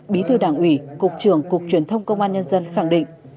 bí thư đảng ủy cục trưởng cục truyền thông công an nhân dân khẳng định